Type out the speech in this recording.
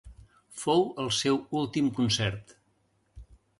Fou el seu últim concert.